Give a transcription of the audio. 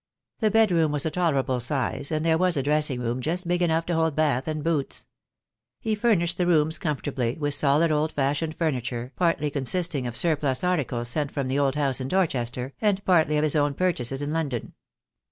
The bedroom was a tolerable size, and there was a dressing room just big enough to hold bath and boots. He furnished the rooms comfortably, with solid old fashioned furniture, partly consisting of surplus articles sent from the old house in Dorchester, and partly of his own pur chases in London.